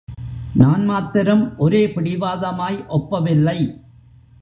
நான் மாத்திரம் ஒரே பிடிவாதமாய் ஒப்பவில்லை.